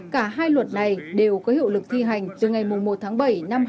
cả hai luật này đều có hiệu lực thi hành từ ngày một tháng bảy năm hai nghìn hai mươi